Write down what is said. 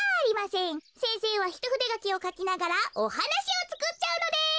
せんせいはひとふでがきをかきながらおはなしをつくっちゃうのです。